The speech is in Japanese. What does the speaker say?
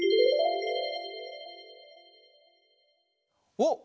おっ！